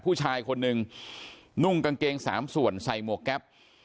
ผู้ชายคนหนึ่งนุ่งกางเกงสามส่วนใส่หมวกแก๊ป